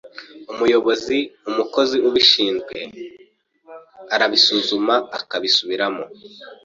umuyobozi, umukozi ubishinzwe arabisuzuma akabisubiramo